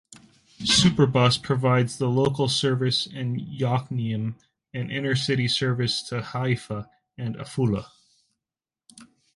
Superbus provides the local service in Yokneam and intercity service to Haifa and Afula.